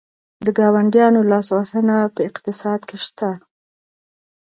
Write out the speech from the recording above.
د ګاونډیانو لاسوهنه په اقتصاد کې شته؟